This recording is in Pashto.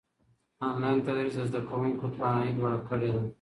انلاين تدريس د زده کوونکو توانايي لوړه کړې ده.